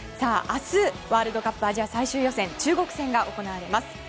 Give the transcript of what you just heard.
明日、ワールドカップアジア最終予選、中国戦が行われます。